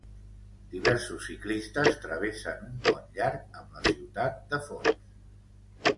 Diversos ciclistes travessen un pont llarg amb la ciutat de fons.